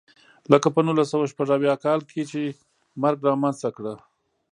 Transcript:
لکه په نولس سوه شپږ اویا کال کې چې مرګ رامنځته کړه.